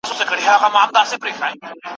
ما جوړ کړی دی دربار نوم مي امیر دی